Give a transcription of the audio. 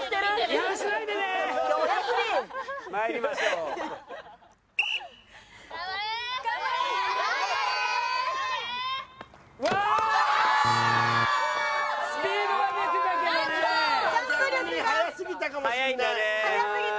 逆に速すぎたかもしれない。